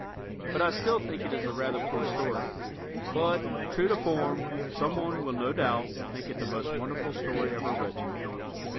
But I still think it is a rather poor story. But, true to form, someone will no doubt think it the most wonderful story ever written.